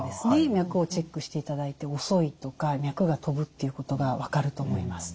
脈をチェックしていただいて遅いとか脈が飛ぶっていうことが分かると思います。